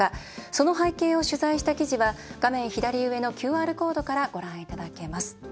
その背景を取材した記事は画面左上のＱＲコードからご覧いただけます。